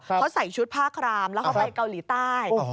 เขาใส่ชุดผ้าครามแล้วเขาไปเกาหลีใต้